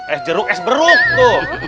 es jeruk es beruk tuh